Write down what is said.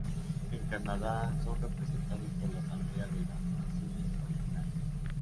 En Canadá, son representados por la Asamblea de las Naciones Originarias.